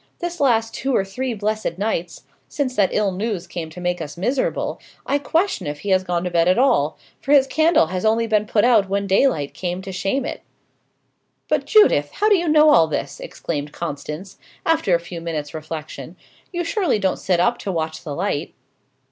This last two or three blessed nights, since that ill news come to make us miserable, I question if he has gone to bed at all, for his candle has only been put out when daylight came to shame it." "But, Judith, how do you know all this?" exclaimed Constance, after a few minutes' reflection. "You surely don't sit up to watch the light?"